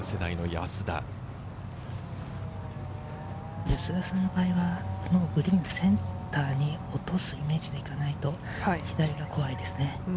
安田さんの場合は、グリーンのセンターに落とすイメージでいかないと左が怖いですね。